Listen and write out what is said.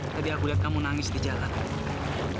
tadi aku lihat kamu nangis di jalan